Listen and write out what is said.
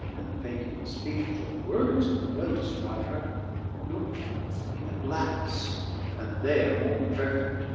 Than fainting fpeech or words can well defcry her, Look in a glafle, and there more perfeft you may fpy her."